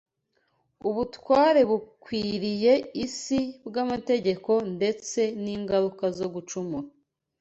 ubutware bukwiriye isi bw’amategeko ndetse n’ingaruka zo gucumura